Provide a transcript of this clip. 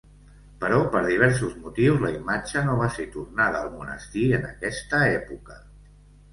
Però per diversos motius la imatge no va ser tornada al monestir en aquesta època.